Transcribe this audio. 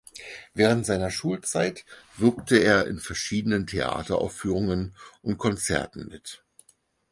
Während seiner Schulzeit wirkte er in verschiedenen Theateraufführungen und Konzerten mit.